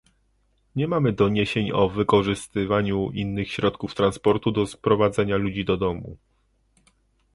Nie mamy doniesień o wykorzystywaniu innych środków transportu do sprowadzenia ludzi do domu